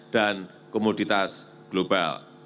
dan komoditas global